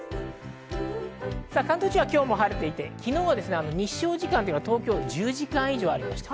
関東地方は今日も晴れていて、昨日は日照時間、東京は１０時間以上ありました。